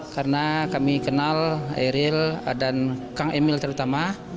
karena kami kenal eril dan kang emil terutama